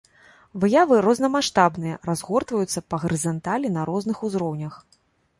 Выявы рознамаштабныя, разгортваюцца па гарызанталі на розных узроўнях.